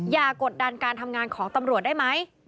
กดดันการทำงานของตำรวจได้ไหม